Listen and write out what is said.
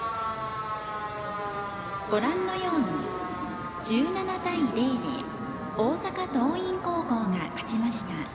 ご覧のように１７対０で大阪桐蔭高校が勝ちました。